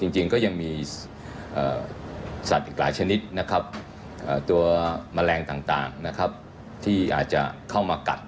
จริงก็ยังมีสัตว์อีกหลายชนิดตัวแมลงต่างที่อาจจะเข้ามากัด